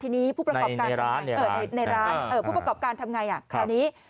ในร้านในร้านผู้ประกอบการทำยังไง